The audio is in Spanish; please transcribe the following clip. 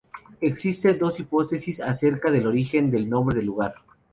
Existe dos hipótesis acerca del origen del nombre del lugar.